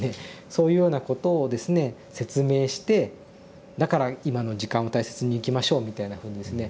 そういうようなことをですね説明して「だから今の時間を大切に生きましょう」みたいなふうにですね